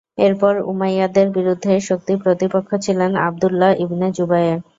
এরপর উমাইয়াদের বিরুদ্ধে শক্ত প্রতিপক্ষ ছিলেন আবদুল্লাহ ইবনে জুবায়ের।